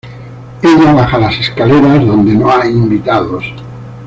Ella baja las escaleras, donde no hay invitados.